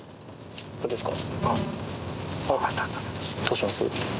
ここですか？